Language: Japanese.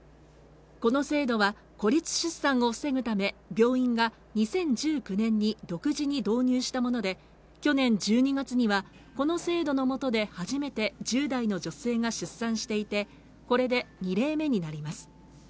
この制度は孤立出産を防ぐため病院が２０１９年に独自に導入したもので去年１２月にはこの制度の下で初めて１０代の女性が出産していてこれで２例目になります